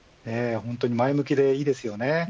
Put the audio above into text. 前向きでいいですよね。